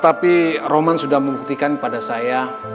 tapi roman sudah membuktikan pada saya